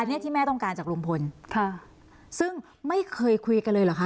อันนี้ที่แม่ต้องการจากลุงพลค่ะซึ่งไม่เคยคุยกันเลยเหรอคะ